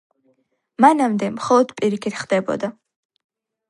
მანამდე, მხოლოდ პირიქით ხდებოდა.